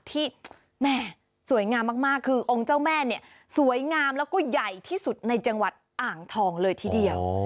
ที่แม่สวยงามมากคือองค์เจ้าแม่เนี่ยสวยงามแล้วก็ใหญ่ที่สุดในจังหวัดอ่างทองเลยทีเดียว